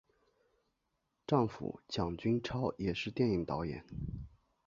丈夫蒋君超也是电影导演。